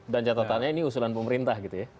dan catatannya ini usulan pemerintah gitu ya